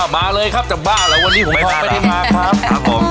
มาเลยครับจังบ้าแล้ววันนี้หงษ์ทองไม่ได้มาครับ